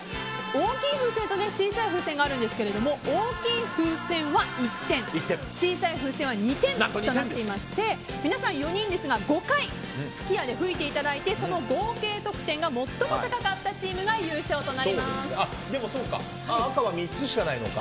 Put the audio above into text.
大きい風船と小さい風船があるんですけれども大きい風船は１点小さい風船は２点で皆さん、４人ですが５回、吹き矢で吹いていただいてその合計得点が最も高かったチームが赤は３つしかないのか。